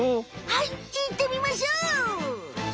はいいってみましょう！